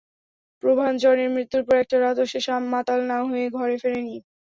প্রভাঞ্জনের মৃত্যুর পর একটা রাতও সে মাতাল না হয়ে ঘরে ফেরেনি।